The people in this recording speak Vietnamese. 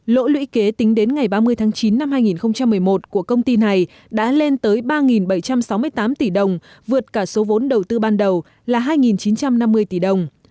lỗ lũy kế tính đến ngày ba mươi tháng chín năm hai nghìn một mươi một của công ty này đã lên tới ba bảy trăm sáu mươi tám tỷ đồng vượt cả số vốn đầu tư ban đầu là hai chín trăm năm mươi tỷ đồng